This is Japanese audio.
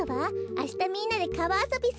あしたみんなでかわあそびするの。